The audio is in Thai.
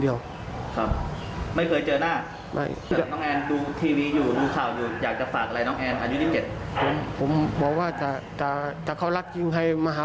อยากจะฝักอะไรน้องแอนอายุ๑๗